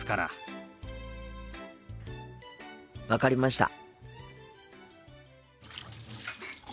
分かりました。